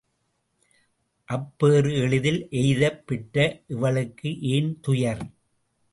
அப்பேறு எளிதில் எய்தப் பெற்ற இவளுக்கு ஏன் துயர்?